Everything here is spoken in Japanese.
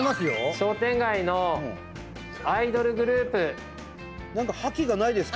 商店街のアイドルグループ。